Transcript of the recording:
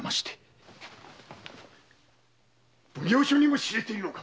奉行所にも知れているのか！